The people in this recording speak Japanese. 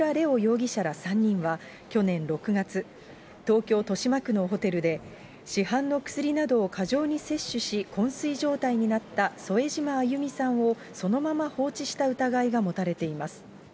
容疑者ら３人は、去年６月、東京・豊島区のホテルで市販の薬などを過剰に摂取し、こん睡状態になった添島亜祐美さんをそのまま放置した疑いが持たれています。